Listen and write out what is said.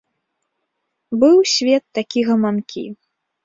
Быў свет такі гаманкі.